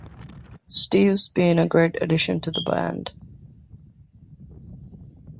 Steve's been a great addition to the band.